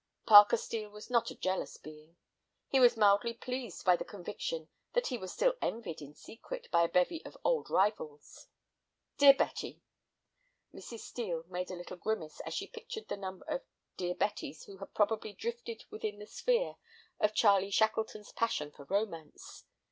Parker Steel was not a jealous being. He was mildly pleased by the conviction that he was still envied in secret by a bevy of old rivals. "Dear Betty,—" Mrs. Steel made a little grimace as she pictured the number of "dear Betties" who had probably drifted within the sphere of Charlie Shackleton's passion for romance.